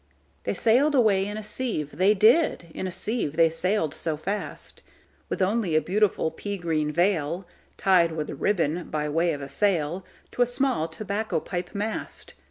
They sail'd away in a sieve, they did, In a sieve they sail'd so fast, With only a beautiful pea green veilTied with a ribbon, by way of a sail, To a small tobacco pipe mast.